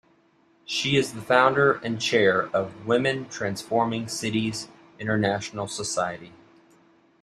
She is the founder and chair of Women Transforming Cities International Society.